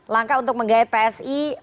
langkah untuk menggai psi